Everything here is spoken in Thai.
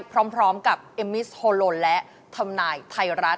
พร้อมกับเอมมิสโฮโลนและทำนายไทยรัฐ